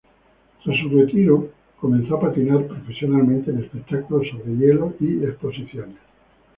Tras su retiro, comenzó a patinar profesionalmente en espectáculos sobre hielo y exposiciones.